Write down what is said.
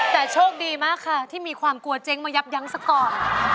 แต่โชคดีมากค่ะที่มีความกลัวเจ๊งมายับยั้งซะก่อน